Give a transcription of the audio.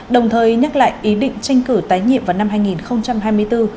đồng thời nhắc lại ý định tranh cử tái nhiệm vào năm hai nghìn hai mươi bốn